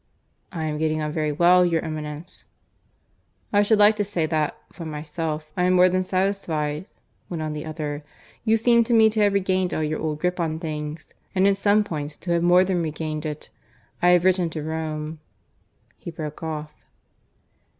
"I am getting on very well, your Eminence!" "I should like to say that, for myself, I am more than satisfied," went on the other. "You seem to me to have regained all your old grip on things and in some points to have more than regained it. I have written to Rome " (he broke off).